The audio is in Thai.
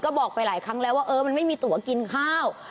ก็บอกไปหลายครั้งแล้วว่าเออมันไม่มีตัวกินข้าว